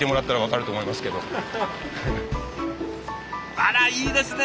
あらいいですね。